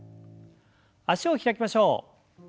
脚を開きましょう。